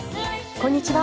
こんにちは。